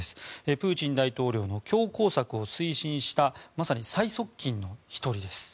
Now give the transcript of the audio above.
プーチン大統領の強硬策を推進したまさに最側近の１人です。